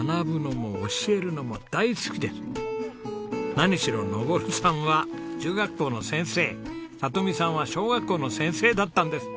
何しろ昇さんは中学校の先生里美さんは小学校の先生だったんです。